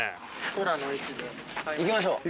行きましょう。